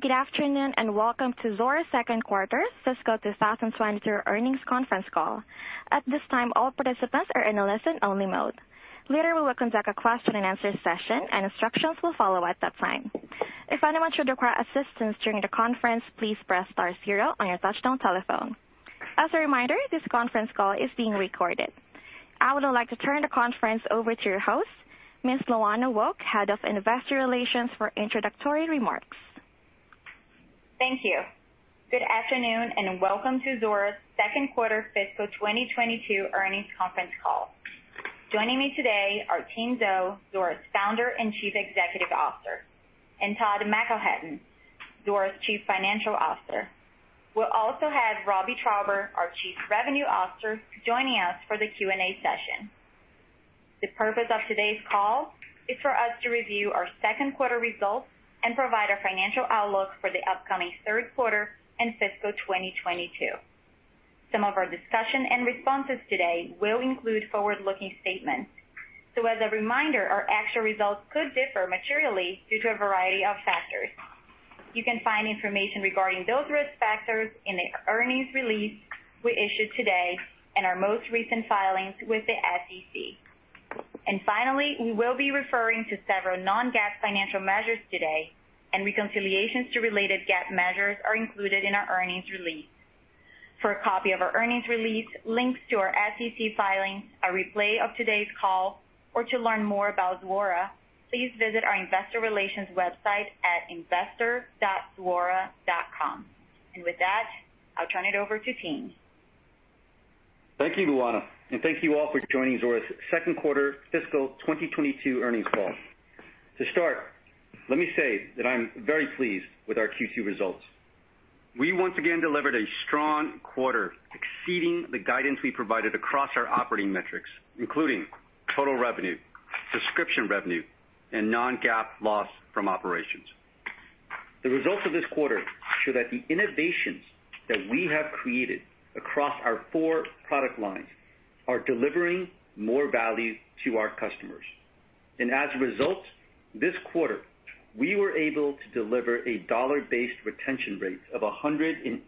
Good afternoon, and welcome to Zuora's second quarter fiscal 2022 earnings conference call. At this time, all participants are in listen-only mode. Later, we'll conduct a question and answer session, and a structure will follow at that time. If anyone should require assistance during the conference, please press star zero on your touchtone telephone. As a reminder, this conference call is being recorded. I would like to turn the conference over to your host, Ms. Luana Wolk, Head of Investor Relations, for introductory remarks. Thank you. Good afternoon, and welcome to Zuora's second quarter fiscal 2022 earnings conference call. Joining me today are Tien Tzuo, Zuora's Founder and Chief Executive Officer, and Todd McElhatton, Zuora's Chief Financial Officer. We'll also have Robbie Traube, our Chief Revenue Officer, joining us for the Q&A session. The purpose of today's call is for us to review our second quarter results and provide a financial outlook for the upcoming third quarter and fiscal 2022. Some of our discussion and responses today will include forward-looking statements. As a reminder, our actual results could differ materially due to a variety of factors. You can find information regarding those risk factors in the earnings release we issued today and our most recent filings with the SEC. Finally, we will be referring to several non-GAAP financial measures today, and reconciliations to related GAAP measures are included in our earnings release. For a copy of our earnings release, links to our SEC filings, a replay of today's call, or to learn more about Zuora, please visit our investor relations website at investor.zuora.com. With that, I'll turn it over to Tien. Thank you, Luana, and thank you all for joining Zuora's second quarter fiscal 2022 earnings call. To start, let me say that I'm very pleased with our Q2 results. We once again delivered a strong quarter, exceeding the guidance we provided across our operating metrics, including total revenue, subscription revenue, and non-GAAP loss from operations. The results of this quarter show that the innovations that we have created across our four product lines are delivering more value to our customers. As a result, this quarter, we were able to deliver a dollar-based retention rate of 108%,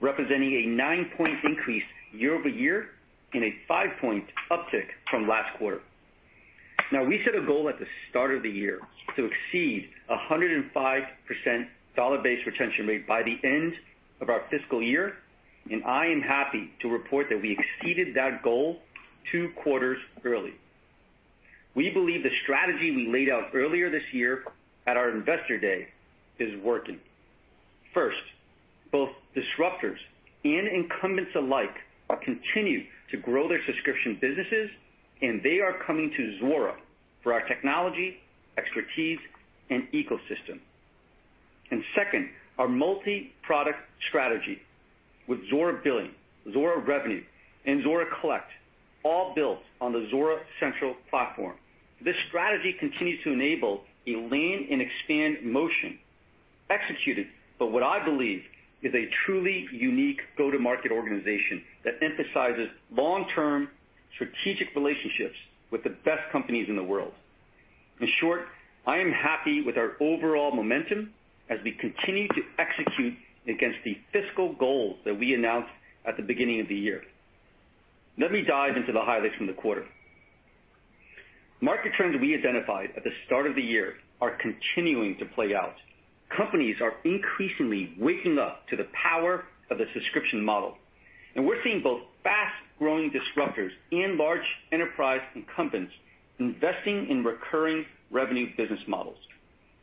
representing a nine-point increase year-over-year and a five-point uptick from last quarter. Now, we set a goal at the start of the year to exceed 105% dollar-based retention rate by the end of our fiscal year, and I am happy to report that we exceeded that goal two quarters early. We believe the strategy we laid out earlier this year at our investor day is working. First, both disruptors and incumbents alike are continuing to grow their subscription businesses. They are coming to Zuora for our technology, expertise, and ecosystem. Second, our multi-product strategy with Zuora Billing, Zuora Revenue, and Zuora Collect, all built on the Zuora Central Platform, continues to enable a lean] and expand motion executed, but what I believe is a truly unique go-to-market organization that emphasizes long-term strategic relationships with the best companies in the world. In short, I am happy with our overall momentum as we continue to execute against the fiscal goals that we announced at the beginning of the year. Let me dive into the highlights from the quarter. Market trends we identified at the start of the year are continuing to play out. Companies are increasingly waking up to the power of the subscription model, and we're seeing both fast-growing disruptors and large enterprise incumbents investing in recurring revenue business models.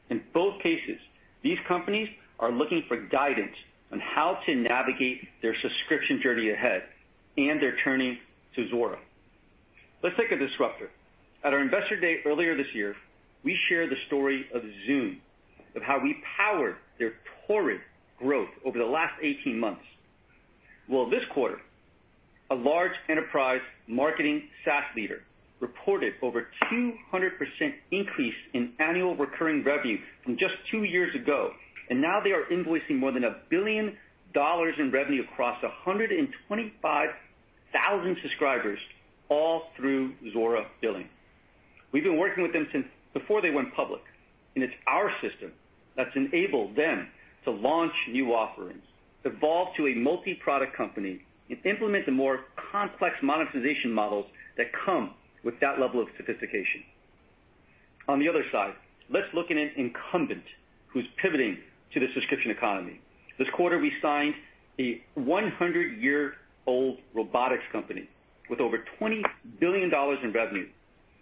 In both cases, these companies are looking for guidance on how to navigate their subscription journey ahead, and they're turning to Zuora. Let's take a disruptor. At our Analyst Day earlier this year, we shared the story of Zoom, of how we powered their torrid growth over the last 18 months. Well, this quarter, a large enterprise marketing SaaS leader reported over 200% increase in annual recurring revenue from just two years ago, and now they are invoicing more than $1 billion in revenue across 125,000 subscribers, all through Zuora Billing. We've been working with them since before they went public, and it's our system that's enabled them to launch new offerings, evolve to a multi-product company, and implement the more complex monetization models that come with that level of sophistication. On the other side, let's look at an incumbent who's pivoting to the subscription economy. This quarter, we signed a 100-year-old robotics company with over $20 billion in revenue,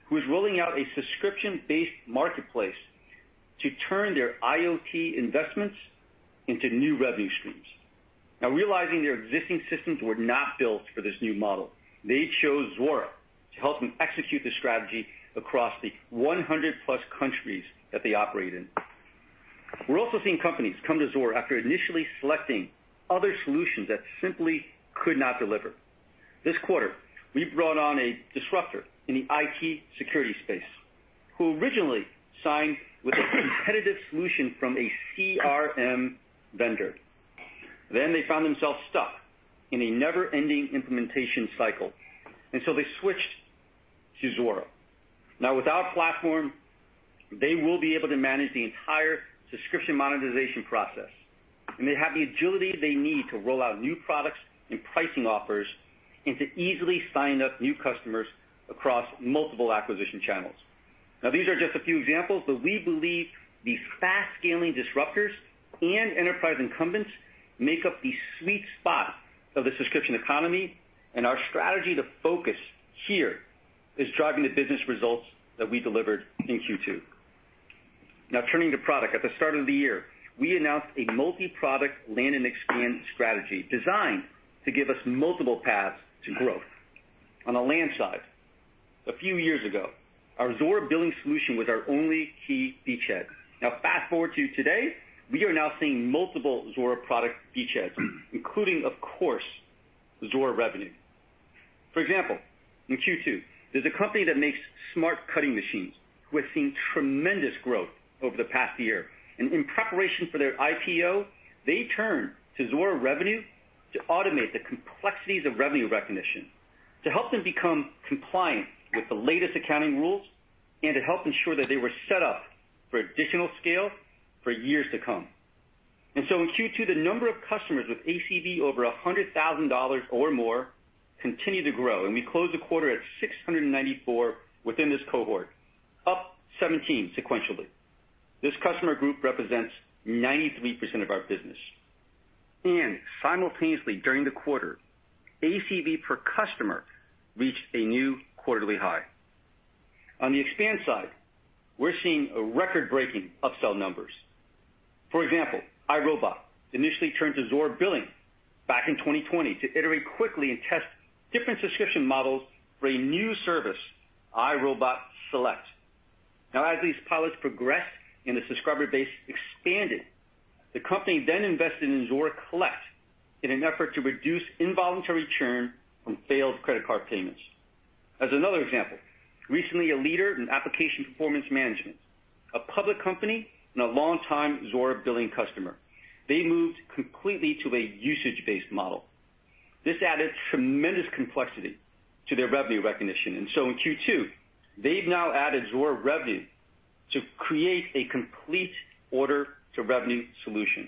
who is rolling out a subscription-based marketplace to turn their IoT investments into new revenue streams. Now, realizing their existing systems were not built for this new model, they chose Zuora to help them execute the strategy across the 100+ countries that they operate in. We're also seeing companies come to Zuora after initially selecting other solutions that simply could not deliver. This quarter, we brought on a disruptor in the IT security space who originally signed with a competitive solution from a CRM vendor. They found themselves stuck in a never-ending implementation cycle, and so they switched to Zuora. With our platform, they will be able to manage the entire subscription monetization process, and they have the agility they need to roll out new products and pricing offers, and to easily sign up new customers across multiple acquisition channels. These are just a few examples, but we believe the fast-scaling disruptors and enterprise incumbents make up the sweet spot of the subscription economy, and our strategy to focus here is driving the business results that we delivered in Q2. Turning to product. At the start of the year, we announced a multi-product land and expand strategy designed to give us multiple paths to growth. On the land side, a few years ago, our Zuora Billing solution was our only key beachhead. Now fast-forward to today, we are now seeing multiple Zuora product beachheads, including, of course, Zuora Revenue. For example, in Q2, there's a company that makes smart cutting machines who have seen tremendous growth over the past year. In preparation for their IPO, they turned to Zuora Revenue to automate the complexities of revenue recognition, to help them become compliant with the latest accounting rules, to help ensure that they were set up for additional scale for years to come. In Q2, the number of customers with ACV over $100,000 or more continued to grow, and we closed the quarter at 694 within this cohort, up 17 sequentially. This customer group represents 93% of our business. Simultaneously during the quarter, ACV per customer reached a new quarterly high. On the expand side, we're seeing a record-breaking upsell numbers. For example, iRobot initially turned to Zuora Billing back in 2020 to iterate quickly and test different subscription models for a new service, iRobot Select. As these pilots progressed and the subscriber base expanded, the company then invested in Zuora Collect in an effort to reduce involuntary churn from failed credit card payments. As another example, recently a leader in application performance management, a public company, and a longtime Zuora Billing customer, they moved completely to a usage-based model. This added tremendous complexity to their revenue recognition. In Q2, they've now added Zuora Revenue to create a complete order-to-revenue solution.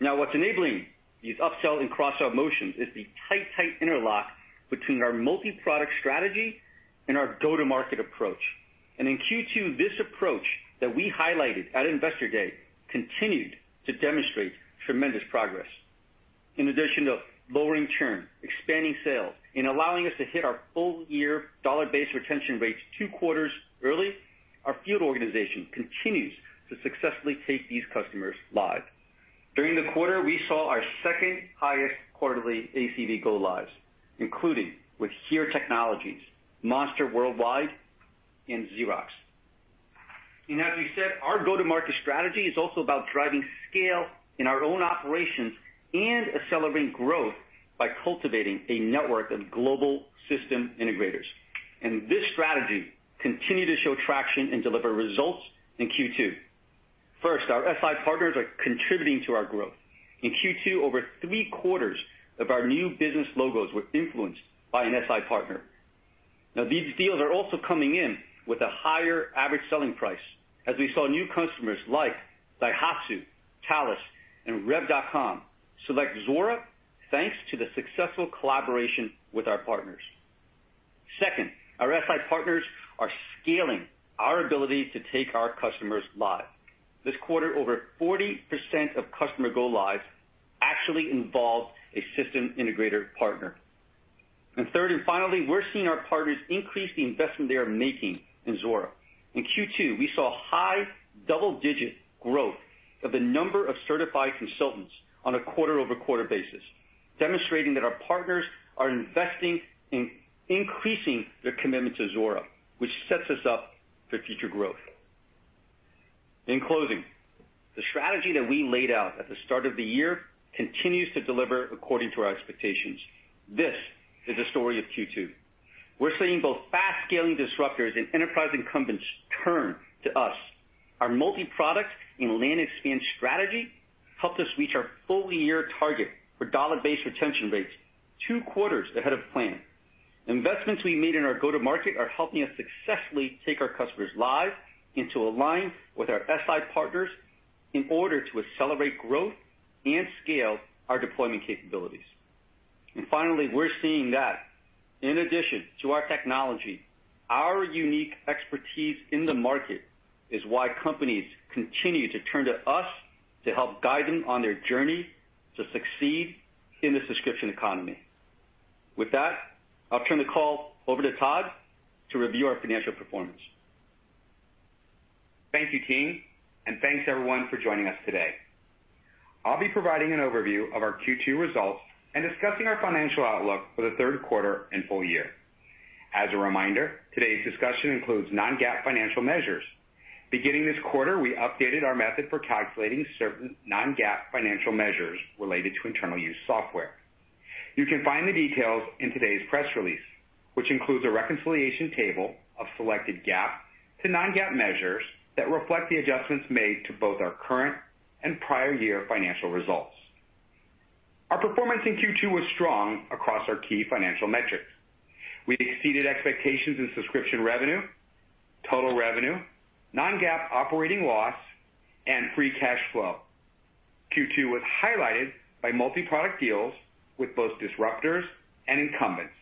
What's enabling these upsell and cross-sell motions is the tight interlock between our multi-product strategy and our go-to-market approach. In Q2, this approach that we highlighted at Investor Day continued to demonstrate tremendous progress. In addition to lowering churn, expanding sales, and allowing us to hit our full-year dollar-based retention rates two quarters early, our field organization continues to successfully take these customers live. During the quarter, we saw our second highest quarterly ACV go lives, including with HERE Technologies, Monster Worldwide, and Xerox. As we said, our go-to-market strategy is also about driving scale in our own operations and accelerating growth by cultivating a network of global system integrators. This strategy continued to show traction and deliver results in Q2. First, our SI partners are contributing to our growth. In Q2, over three quarters of our new business logos were influenced by an SI partner. These deals are also coming in with a higher average selling price, as we saw new customers like Daihatsu, Thales, and Rev.com select Zuora, thanks to the successful collaboration with our partners. Second, our SI partners are scaling our ability to take our customers live. This quarter, over 40% of customer go-lives actually involved a system integrator partner. Third and finally, we're seeing our partners increase the investment they are making in Zuora. In Q2, we saw high double-digit growth of the number of certified consultants on a quarter-over-quarter basis, demonstrating that our partners are investing in increasing their commitment to Zuora, which sets us up for future growth. In closing, the strategy that we laid out at the start of the year continues to deliver according to our expectations. This is the story of Q2. We're seeing both fast-scaling disruptors and enterprise incumbents turn to us. Our multi-product and land expand strategy helped us reach our full-year target for dollar-based retention rates two quarters ahead of plan. Investments we made in our go-to-market are helping us successfully take our customers live and to align with our SI partners in order to accelerate growth and scale our deployment capabilities. Finally, we're seeing that in addition to our technology, our unique expertise in the market is why companies continue to turn to us to help guide them on their journey to succeed in the subscription economy. With that, I'll turn the call over to Todd to review our financial performance. Thank you, Tien, and thanks, everyone, for joining us today. I'll be providing an overview of our Q2 results and discussing our financial outlook for the third quarter and full year. As a reminder, today's discussion includes non-GAAP financial measures. Beginning this quarter, we updated our method for calculating certain non-GAAP financial measures related to internal-use software. You can find the details in today's press release, which includes a reconciliation table of selected GAAP to non-GAAP measures that reflect the adjustments made to both our current and prior year financial results. Our performance in Q2 was strong across our key financial metrics. We exceeded expectations in subscription revenue, total revenue, non-GAAP operating loss, and free cash flow. Q2 was highlighted by multi-product deals with both disruptors and incumbents,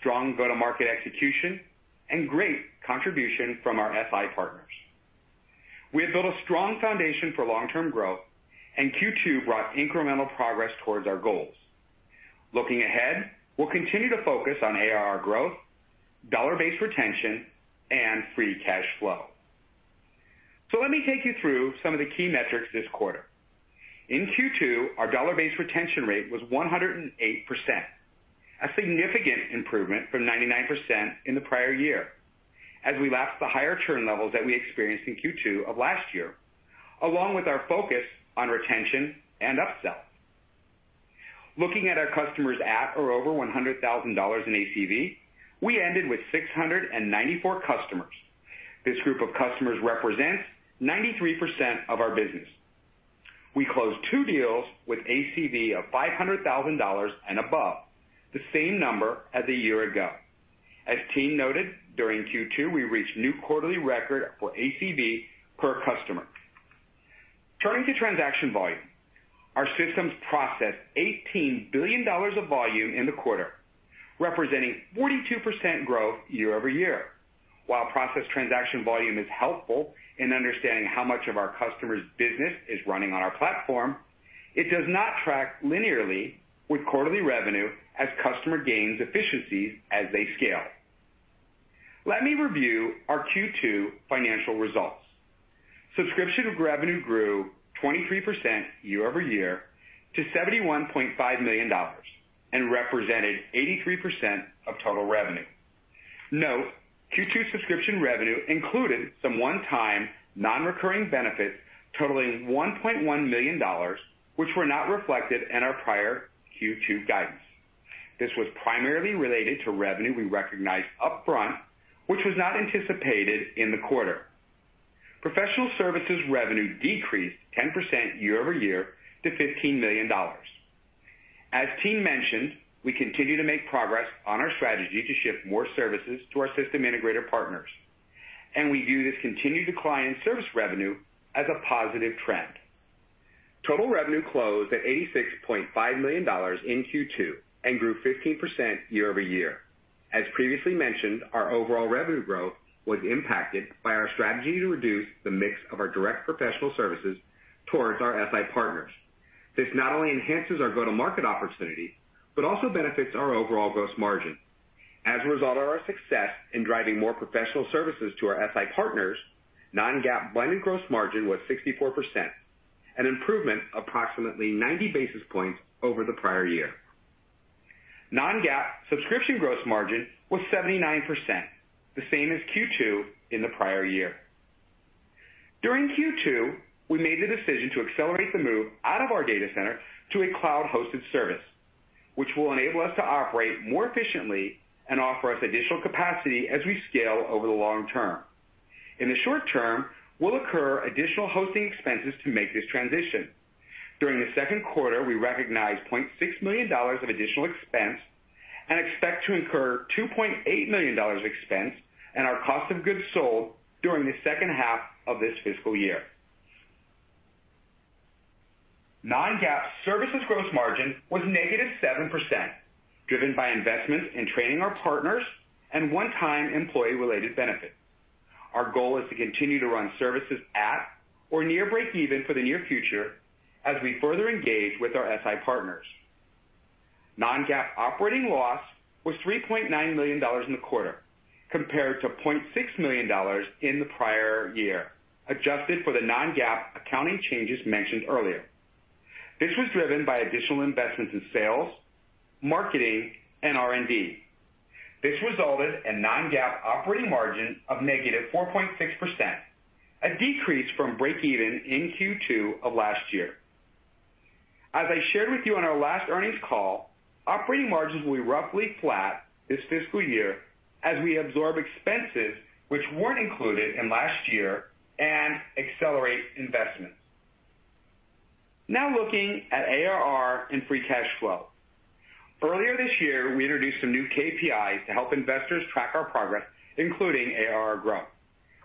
strong go-to-market execution, and great contribution from our SI partners. We have built a strong foundation for long-term growth. Q2 brought incremental progress towards our goals. Looking ahead, we'll continue to focus on ARR growth, dollar-based retention, and free cash flow. Let me take you through some of the key metrics this quarter. In Q2, our dollar-based retention rate was 108%, a significant improvement from 99% in the prior year, as we lapped the higher churn levels that we experienced in Q2 of last year, along with our focus on retention and upsells. Looking at our customers at or over $100,000 in ACV, we ended with 694 customers. This group of customers represents 93% of our business. We closed two deals with ACV of $500,000 and above, the same number as a year ago. As Tien noted, during Q2, we reached a new quarterly record for ACV per customer. Turning to transaction volume. Our systems processed $18 billion of volume in the quarter, representing 42% growth year-over-year. While processed transaction volume is helpful in understanding how much of our customers' business is running on our platform, it does not track linearly with quarterly revenue as customer gains efficiencies as they scale. Let me review our Q2 financial results. Subscription revenue grew 23% year-over-year to $71.5 million and represented 83% of total revenue. Note, Q2 subscription revenue included some one-time non-recurring benefits totaling $1.1 million, which were not reflected in our prior Q2 guidance. This was primarily related to revenue we recognized upfront, which was not anticipated in the quarter. Professional services revenue decreased 10% year-over-year to $15 million. As Tien mentioned, we continue to make progress on our strategy to shift more services to our system integrator partners, and we view this continued decline in service revenue as a positive trend. Total revenue closed at $86.5 million in Q2 and grew 15% year-over-year. As previously mentioned, our overall revenue growth was impacted by our strategy to reduce the mix of our direct professional services towards our SI partners. This not only enhances our go-to-market opportunity but also benefits our overall gross margin. As a result of our success in driving more professional services to our SI partners, non-GAAP blended gross margin was 64%, an improvement of approximately 90 basis points over the prior year. Non-GAAP subscription gross margin was 79%, the same as Q2 in the prior year. During Q2, we made the decision to accelerate the move out of our data center to a cloud-hosted service, which will enable us to operate more efficiently and offer us additional capacity as we scale over the long term. In the short term, we'll incur additional hosting expenses to make this transition. During the second quarter, we recognized $0.6 million of additional expense and expect to incur $2.8 million expense in our cost of goods sold during the second half of this fiscal year. Non-GAAP services gross margin was -7%, driven by investments in training our partners and one-time employee-related benefits. Our goal is to continue to run services at or near breakeven for the near future as we further engage with our SI partners. Non-GAAP operating loss was $3.9 million in the quarter, compared to $0.6 million in the prior year, adjusted for the non-GAAP accounting changes mentioned earlier. This was driven by additional investments in sales, marketing, and R&D. This resulted in non-GAAP operating margin of -4.6%, a decrease from breakeven in Q2 of last year. As I shared with you on our last earnings call, operating margins will be roughly flat this fiscal year as we absorb expenses which weren't included in last year and accelerate investments. Looking at ARR and free cash flow. Earlier this year, we introduced some new KPIs to help investors track our progress, including ARR growth.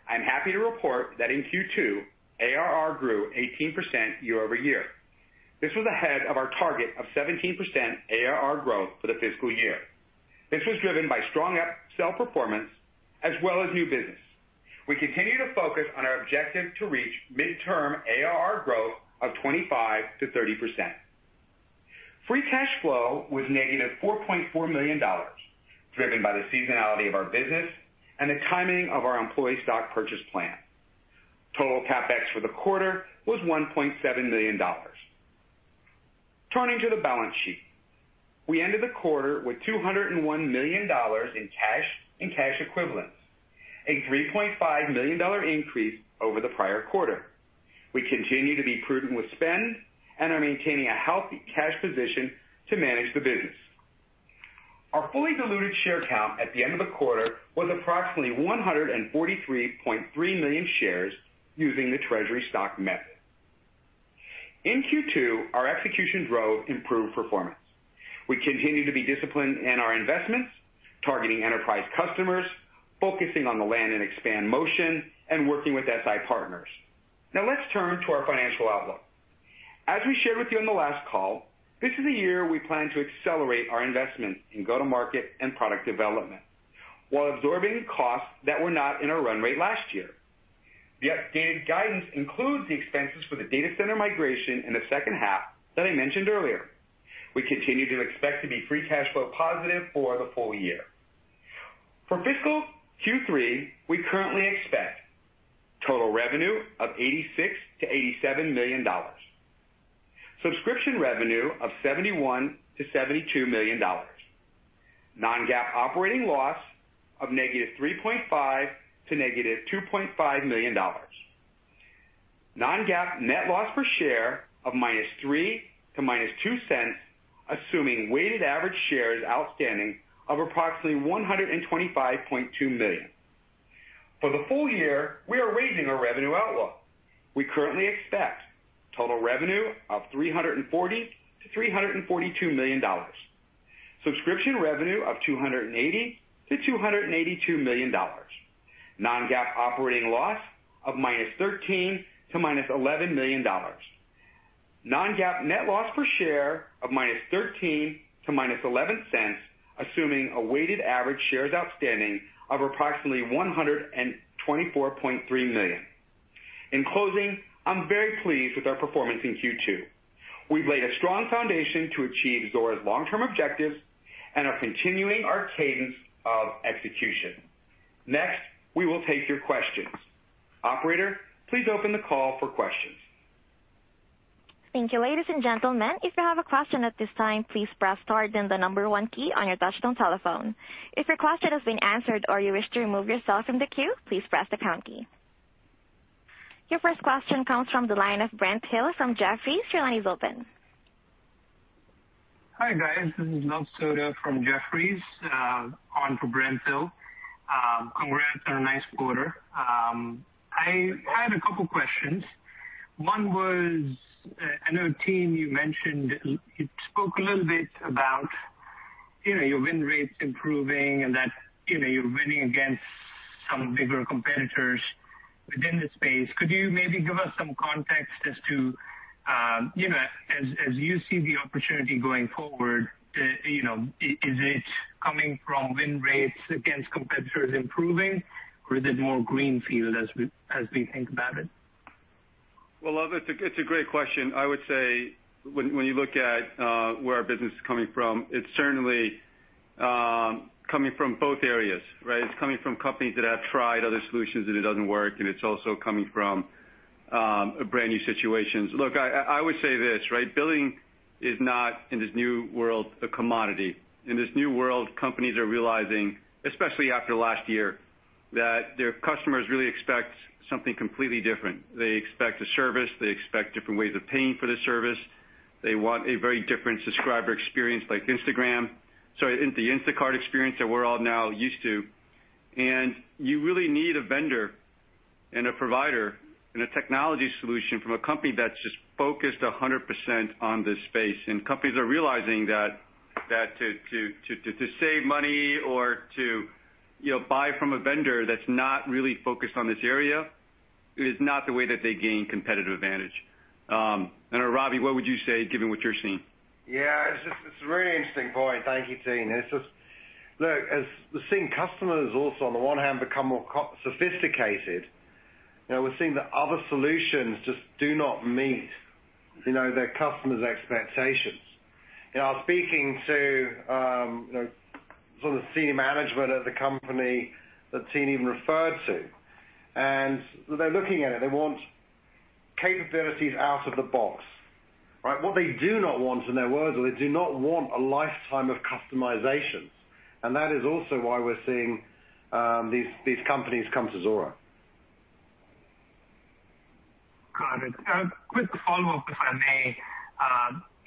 I'm happy to report that in Q2, ARR grew 18% year-over-year. This was ahead of our target of 17% ARR growth for the fiscal year. This was driven by strong upsell performance as well as new business. We continue to focus on our objective to reach midterm ARR growth of 25%-30%. Free cash flow was -$4.4 million, driven by the seasonality of our business and the timing of our employee stock purchase plan. Total CapEx for the quarter was $1.7 million. Turning to the balance sheet. We ended the quarter with $201 million in cash and cash equivalents. A $3.5 million increase over the prior quarter. We continue to be prudent with spend and are maintaining a healthy cash position to manage the business. Our fully diluted share count at the end of the quarter was approximately 143.3 million shares using the treasury stock method. In Q2, our execution drove improved performance. We continue to be disciplined in our investments, targeting enterprise customers, focusing on the land and expand motion, and working with SI partners. Let's turn to our financial outlook. As we shared with you on the last call, this is a year we plan to accelerate our investment in go-to-market and product development while absorbing costs that were not in our run rate last year. The updated guidance includes the expenses for the data center migration in the second half that I mentioned earlier. We continue to expect to be free cash flow positive for the full year. For fiscal Q3, we currently expect total revenue of $86 million-$87 million, subscription revenue of $71 million-$72 million, non-GAAP operating loss of -$3.5 million to -$2.5 million, non-GAAP net loss per share of -$0.03 to -$0.02, assuming weighted average shares outstanding of approximately 125.2 million. For the full year, we are raising our revenue outlook. We currently expect total revenue of $340 million-$342 million, subscription revenue of $280 million-$282 million, non-GAAP operating loss of -$13 million to -$11 million, non-GAAP net loss per share of -$0.13 to -$0.11, assuming a weighted average shares outstanding of approximately 124.3 million. In closing, I'm very pleased with our performance in Q2. We've laid a strong foundation to achieve Zuora's long-term objectives and are continuing our cadence of execution. Next, we will take your questions. Operator, please open the call for questions. Thank you, ladies and gentlemen. If you have a question at this time, please press star then the number one key on your touchtone telephone. If your question has been answered or you wish to remove yourself from the queue, please press the pound key. Your first question comes from the line of Brent Thill from Jefferies. Your line is open. Hi, guys. This is Luv Sodha from Jefferies, on for Brent Thill. Congrats on a nice quarter. I had a couple questions. One was, I know, Tien, you mentioned, you spoke a little bit about your win rates improving and that you're winning against some bigger competitors within the space. Could you maybe give us some context as to, as you see the opportunity going forward, is it coming from win rates against competitors improving, or is it more greenfield as we think about it? Well, Luv, it's a great question. I would say when you look at where our business is coming from, it's certainly coming from both areas, right? It's coming from companies that have tried other solutions and it doesn't work, and it's also coming from brand-new situations. Look, I would say this, right? Billing is not, in this new world, a commodity. In this new world, companies are realizing, especially after last year, that their customers really expect something completely different. They expect a service. They expect different ways of paying for the service. They want a very different subscriber experience like the Instacart experience that we're all now used to. You really need a vendor and a provider and a technology solution from a company that's just focused 100% on this space. Companies are realizing that to save money or to buy from a vendor that's not really focused on this area, is not the way that they gain competitive advantage. I don't know, Robbie, what would you say, given what you're seeing? It's a very interesting point. Thank you, Tien. It's just, look, as we're seeing customers also, on the one hand, become more sophisticated, we're seeing that other solutions just do not meet their customers' expectations. I was speaking to the senior management of the company that Tien even referred to, and they're looking at it. They want capabilities out of the box. Right? What they do not want, in their words, they do not want a lifetime of customizations. That is also why we're seeing these companies come to Zuora. Got it. Quick follow-up, if I may,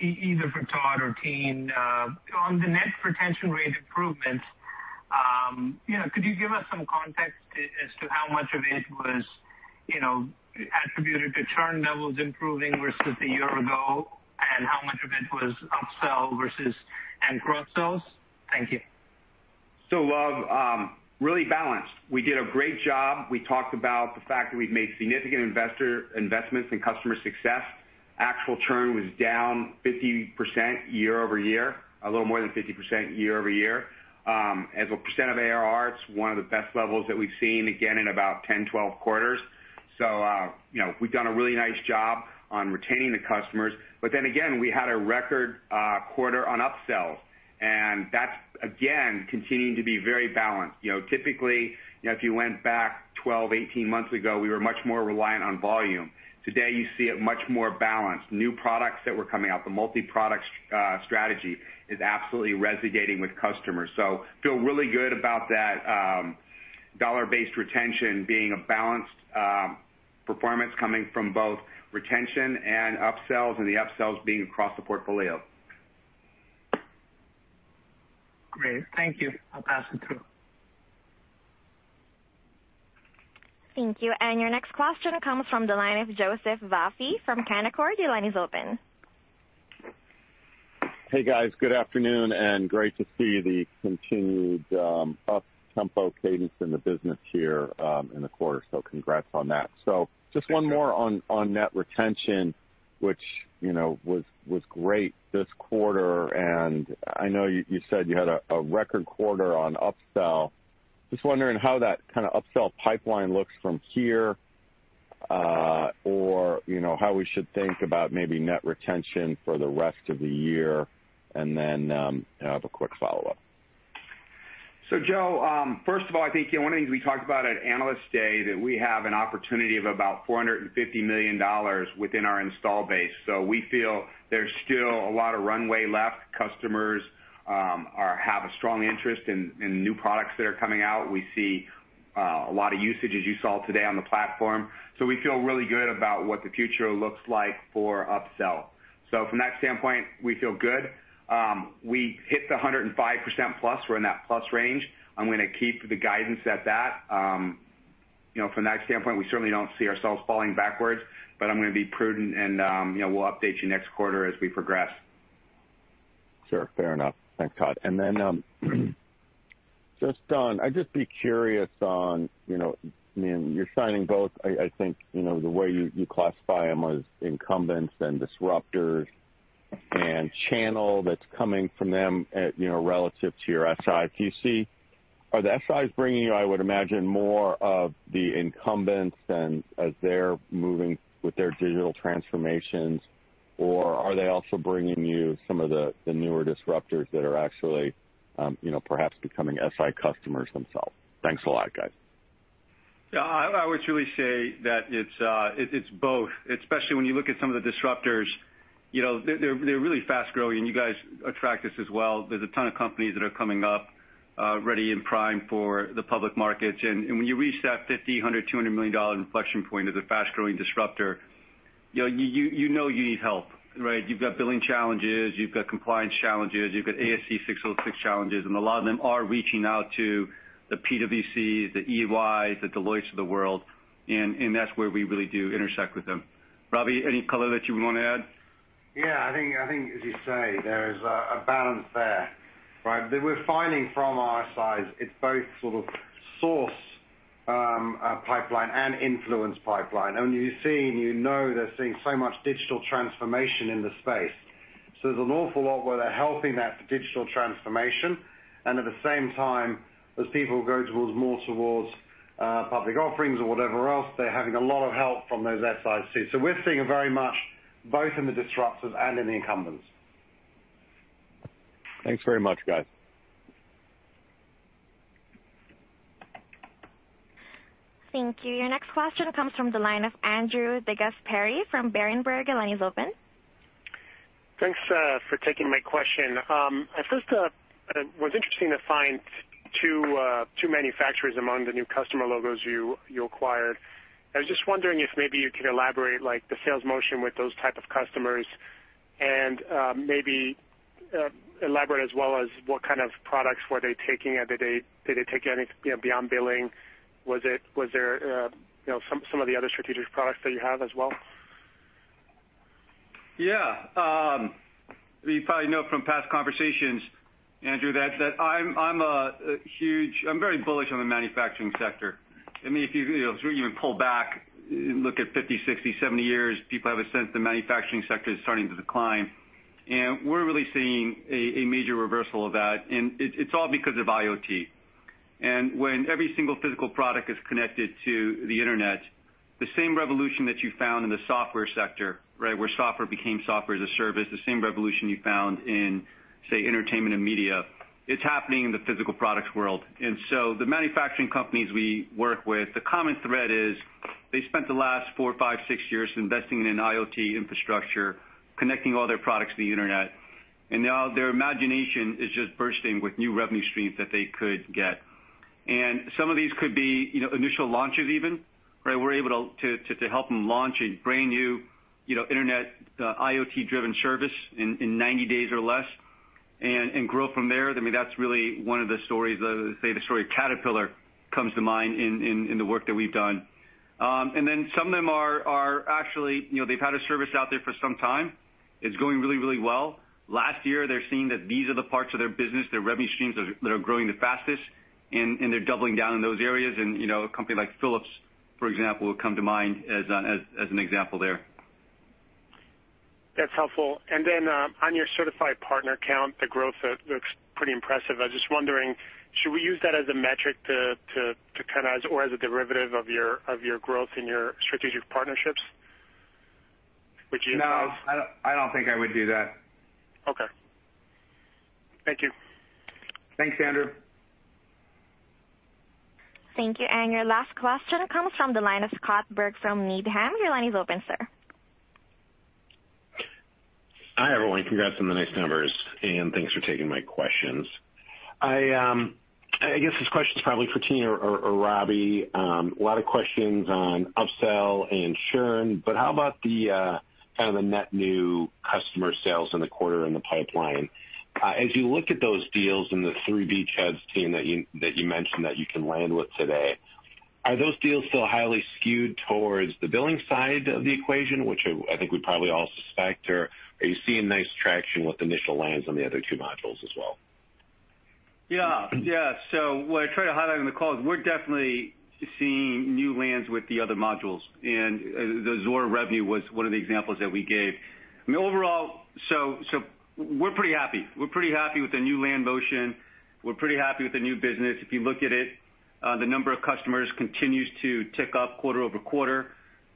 either for Todd or Tien. On the net retention rate improvement, could you give us some context as to how much of it was attributed to churn levels improving versus a year ago, and how much of it was upsell and cross-sells? Thank you. Luv, really balanced. We did a great job. We talked about the fact that we've made significant investments in customer success. Actual churn was down 50% year-over-year, a little more than 50% year-over-year. As a percent of ARR, it's one of the best levels that we've seen again in about 10, 12 quarters. We've done a really nice job on retaining the customers. Again, we had a record quarter on upsells, and that's again continuing to be very balanced. Typically, if you went back 12, 18 months ago, we were much more reliant on volume. Today, you see it much more balanced. New products that were coming out, the multi-product strategy is absolutely resonating with customers. So feel really good about that dollar-based retention being a balanced performance coming from both retention and upsells, and the upsells being across the portfolio. Great. Thank you. I'll pass it through. Thank you. Your next question comes from the line of Joseph Vafi from Canaccord. Your line is open. Hey, guys. Good afternoon. Great to see the continued up-tempo cadence in the business here in the quarter. Congrats on that. Just one more on net retention, which was great this quarter. I know you said you had a record quarter on upsell. Just wondering how that kind of upsell pipeline looks from here, or how we should think about maybe net retention for the rest of the year. I have a quick follow-up. Joe, first of all, I think one of the things we talked about at Analyst Day, that we have an opportunity of about $450 million within our install base. We feel there's still a lot of runway left. Customers have a strong interest in new products that are coming out. We see a lot of usage, as you saw today, on the platform. We feel really good about what the future looks like for upsell. From that standpoint, we feel good. We hit the 105%+. We're in that plus range. I'm going to keep the guidance at that. From that standpoint, we certainly don't see ourselves falling backwards, but I'm going to be prudent and we'll update you next quarter as we progress. Sure. Fair enough. Thanks, Todd. I'd just be curious on, you're signing both, I think, the way you classify them as incumbents and disruptors, and channel that's coming from them relative to your SI. Are the SIs bringing you, I would imagine, more of the incumbents as they're moving with their digital transformations, or are they also bringing you some of the newer disruptors that are actually perhaps becoming SI customers themselves? Thanks a lot, guys. Yeah. I would truly say that it's both, especially when you look at some of the disruptors. They're really fast-growing. You guys track this as well. There's a ton of companies that are coming up, ready and primed for the public markets. When you reach that $50 million, $100 million, $200 million inflection point as a fast-growing disruptor, you know you need help, right? You've got billing challenges, you've got compliance challenges, you've got ASC 606 challenges. A lot of them are reaching out to the PwC, the EY, the Deloitte of the world. That's where we really do intersect with them. Robbie, any color that you want to add? Yeah, I think, as you say, there is a balance there, right? That we're finding from our size, it's both sort of source pipeline and influence pipeline. You know they're seeing so much digital transformation in the space. There's an awful lot where they're helping that digital transformation, and at the same time, as people go more towards public offerings or whatever else, they're having a lot of help from those SIs, too. We're seeing it very much both in the disruptors and in the incumbents. Thanks very much, guys. Thank you. Your next question comes from the line of Andrew DeGasperi from Berenberg. Your line is open. Thanks for taking my question. At first, it was interesting to find two manufacturers among the new customer logos you acquired. I was just wondering if maybe you could elaborate, like the sales motion with those type of customers, and maybe elaborate as well as what kind of products were they taking, and did they take any beyond billing? Was there some of the other strategic products that you have as well? Yeah. You probably know from past conversations, Andrew, that I'm very bullish on the manufacturing sector. If you pull back and look at 50, 60, 70 years, people have a sense the manufacturing sector is starting to decline. We're really seeing a major reversal of that, and it's all because of IoT. When every single physical product is connected to the internet, the same revolution that you found in the software sector, right? Where software became Software as a Service, the same revolution you found in, say, entertainment and media, it's happening in the physical products world. The manufacturing companies we work with, the common thread is they spent the last four, five, six years investing in an IoT infrastructure, connecting all their products to the internet, and now their imagination is just bursting with new revenue streams that they could get. Some of these could be initial launches, even. We're able to help them launch a brand new internet IoT-driven service in 90 days or less and grow from there. That's really one of the stories. The story of Caterpillar comes to mind in the work that we've done. Some of them are actually they've had a service out there for some time. It's going really, really well. Last year, they're seeing that these are the parts of their business, their revenue streams that are growing the fastest, and they're doubling down in those areas. A company like Philips, for example, will come to mind as an example there. That's helpful. On your certified partner count, the growth looks pretty impressive. I was just wondering, should we use that as a metric or as a derivative of your growth in your strategic partnerships? No, I don't think I would do that. Okay. Thank you. Thanks, Andrew. Thank you. Your last question comes from the line of Scott Berg from Needham. Your line is open, sir. Hi, everyone. Congrats on the nice numbers, and thanks for taking my questions. I guess this question's probably for Tien or Robbie. A lot of questions on upsell and churn, but how about the net new customer sales in the quarter in the pipeline? As you look at those deals and the three beachheads, Tien, that you mentioned that you can land with today, are those deals still highly skewed towards the billing side of the equation, which I think we probably all suspect, or are you seeing nice traction with initial lands on the other two modules as well? Yeah. What I tried to highlight on the call is we're definitely seeing new lands with the other modules, and the Zuora Revenue was one of the examples that we gave. I mean, overall, we're pretty happy with the new land motion. We're pretty happy with the new business. If you look at it, the number of customers continues to tick up quarter over quarter.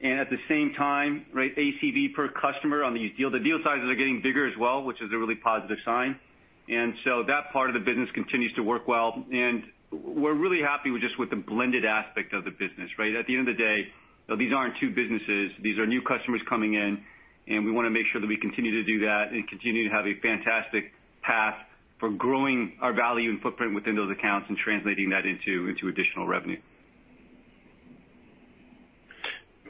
At the same time, ACV per customer on the deal, the deal sizes are getting bigger as well, which is a really positive sign. That part of the business continues to work well, and we're really happy with just with the blended aspect of the business. At the end of the day, these aren't two businesses. These are new customers coming in. We want to make sure that we continue to do that and continue to have a fantastic path for growing our value and footprint within those accounts and translating that into additional revenue.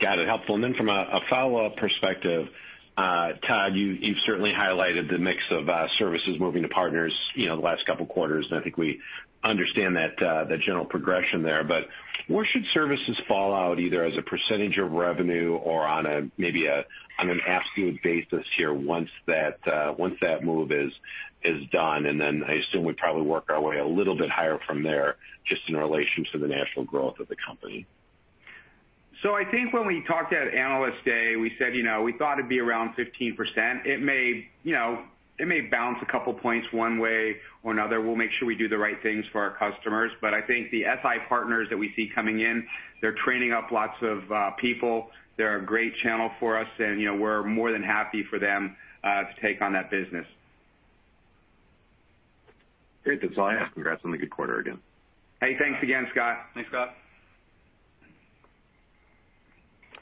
Got it. Helpful. From a follow-up perspective, Todd, you've certainly highlighted the mix of services moving to partners the last two quarters, and I think we understand that general progression there. Where should services fall out, either as a percentage of revenue or on maybe an ASPU basis here once that move is done? I assume we'd probably work our way a little bit higher from there, just in relation to the national growth of the company. I think when we talked at Analyst Day, we said we thought it'd be around 15%. It may bounce a couple of points one way or another. We'll make sure we do the right things for our customers. I think the SI partners that we see coming in, they're training up lots of people. They're a great channel for us, and we're more than happy for them to take on that business. Great. That's all I have. Congrats on the good quarter again. Hey, thanks again, Scott. Thanks, Scott.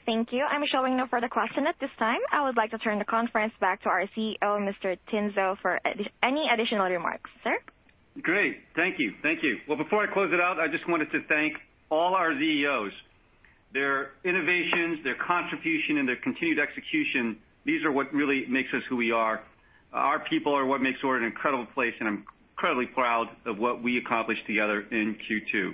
Thank you. I'm showing no further question at this time. I would like to turn the conference back to our CEO, Mr. Tien Tzuo, for any additional remarks, sir. Great. Thank you. Before I close it out, I just wanted to thank all our ZEOs. Their innovations, their contribution, and their continued execution, these are what really makes us who we are. Our people are what makes Zuora an incredible place, and I'm incredibly proud of what we accomplished together in Q2.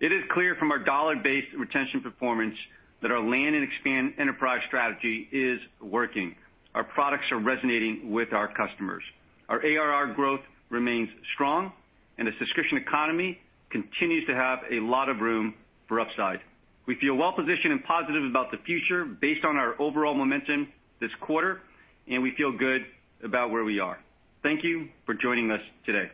It is clear from our dollar-based retention performance that our land and expand enterprise strategy is working. Our products are resonating with our customers. Our ARR growth remains strong. The subscription economy continues to have a lot of room for upside. We feel well-positioned and positive about the future based on our overall momentum this quarter. We feel good about where we are. Thank you for joining us today.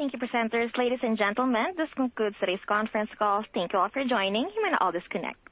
Thank you, presenters. Ladies and gentlemen, this concludes today's conference call. Thank you all for joining. You may all disconnect.